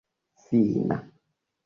fina